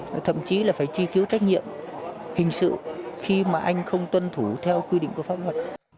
đấy là phải chi cứu trách nhiệm hình sự khi mà anh không tuân thủ theo quy định của pháp luật